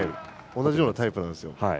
同じようなタイプなんです。